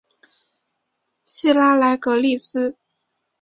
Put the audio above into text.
希拉莱格利斯。